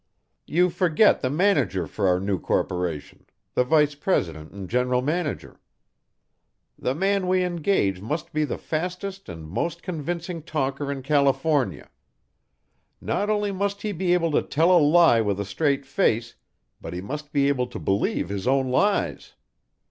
"You forget the manager for our new corporation the vice president and general manager. The man we engage must be the fastest and most convincing talker in California; not only must he be able to tell a lie with a straight face, but he must be able to believe his own lies.